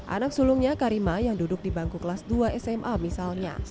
anak sulungnya karima yang duduk di bangku kelas dua sma misalnya